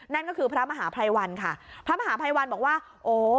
นั่นก็คือพระมหาภัยวันค่ะพระมหาภัยวันบอกว่าโอ้